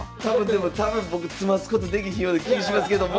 でも多分僕詰ますことできひんような気いしますけども。